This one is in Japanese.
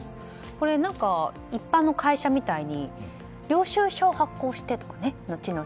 これ、一般の会社みたいに後々、領収書を発行してとかね。